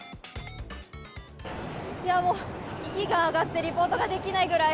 いや、もう息が上がってリポートができないくらい。